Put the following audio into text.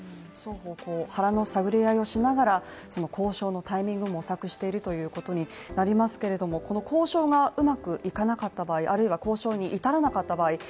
双方、腹の探り合いをしながら交渉のタイミングを模索しているということになりますけれども、この交渉がうまくいかなかった場合あるいは交渉に至らなかった場合